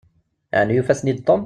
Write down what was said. Ɛni yufa-ten-id Tom?